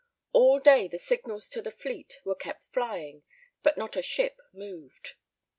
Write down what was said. All day the signals to the fleet were kept flying, but not a ship moved.